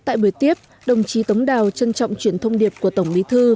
tại buổi tiếp đồng chí tống đào trân trọng chuyển thông điệp của tổng bí thư